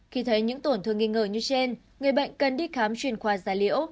khi thấy những tổn thương nghi ngờ như trên người bệnh cần đi khám chuyên khoa gia liễu